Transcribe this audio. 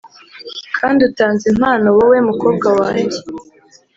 kandi utanze impano-wowe mukobwa wanjye.